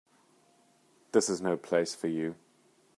This is no place for you.